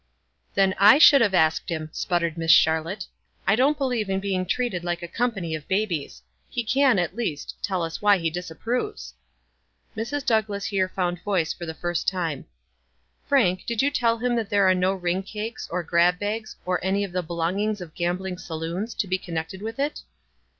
"Then I should hare asked him," sputtered Miss Charlotte. "I don't believe in being treated like a company of babies. He can, at least, tell us why he disapproves." Mrs. Douglass here found voice for the first time : "Frank, did you tell him that there were no riug cakes, or grab bags, or any of the belong ings of gambling saloons, to be connected with it?"